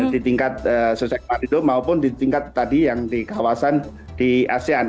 di tingkat sosial maupun di tingkat tadi yang di kawasan di asean